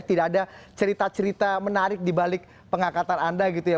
tidak ada cerita cerita menarik dibalik pengakatan anda gitu ya